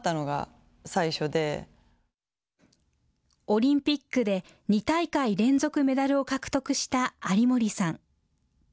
オリンピックで２大会連続、メダルを獲得した有森さん。